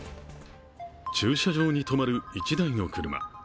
駐車場に止まる１台の車。